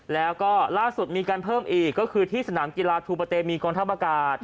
แล้วก็ล่าสุดมีการเพิ่มอีกก็คือที่สนามกีฬาทูปะเตมีกองทัพอากาศ